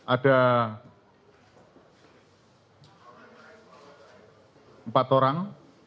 ada empat orang